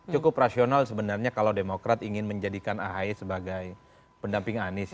cukup rasional sebenarnya kalau demokrat ingin menjadikan ahy sebagai pendamping anies